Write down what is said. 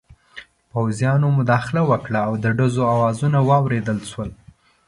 پوځیانو مداخله وکړه او د ډزو اوازونه واورېدل شول.